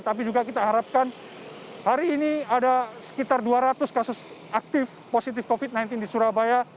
tapi juga kita harapkan hari ini ada sekitar dua ratus kasus aktif positif covid sembilan belas di surabaya